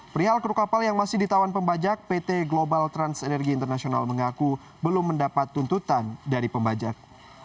perihal kru kapal yang masih ditawan pembajak pt global trans energy international mengaku belum mendapat tuntutan dari pembajak